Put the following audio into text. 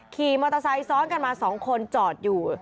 ขี่มอเตอร์ไซค์ซ้อนกันมา๒คนจอดอยู่